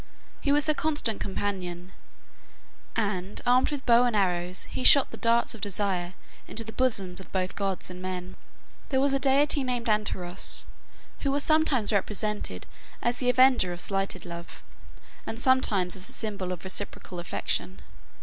He was her constant companion; and, armed with bow and arrows, he shot the darts of desire into the bosoms of both gods and men. There was a deity named Anteros, who was sometimes represented as the avenger of slighted love, and sometimes as the symbol of reciprocal affection.